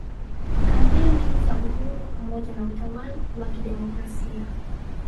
kampeni za uhuru pamoja na utawal wa kidemokrasia